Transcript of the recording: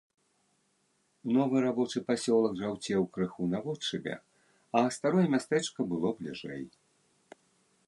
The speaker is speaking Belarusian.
Новы рабочы пасёлак жаўцеў крыху наводшыбе, а старое мястэчка было бліжэй.